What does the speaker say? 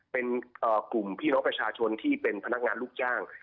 เป็นกลุ่มพี่น้องประชาชนที่เป็นพนักงานลูกจ้าง